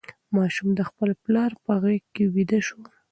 ماشوم د خپل پلار په غېږ کې ویده شو.